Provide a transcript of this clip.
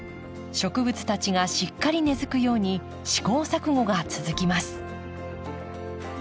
植物たちがしっかり根づくように試行錯誤が続きます。